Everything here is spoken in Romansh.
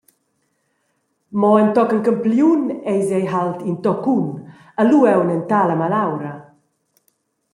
Mo entochen Campliun eis ei halt in toccun e lu aunc en tala malaura.